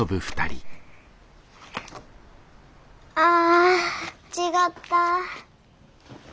あ違った。